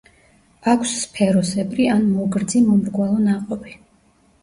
აქვს სფეროსებრი ან მოგრძი–მომრგვალო ნაყოფი.